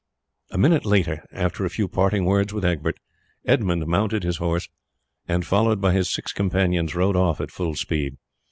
A minute later, after a few parting words with Egbert, Edmund mounted his horse, and followed by his six companions, rode off at full speed.